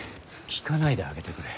聞かないであげてくれ。